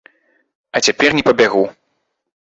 А цяпер не пабягу.